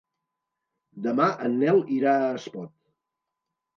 Demà en Nel irà a Espot.